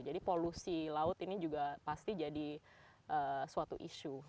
jadi polusi laut ini juga pasti jadi suatu isu